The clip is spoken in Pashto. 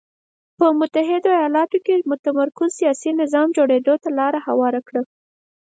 په متحده ایالتونو کې متمرکز سیاسي نظام جوړېدو ته لار هواره کړه.